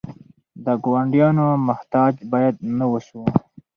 د ګاونډیانو محتاج باید نه اوسو.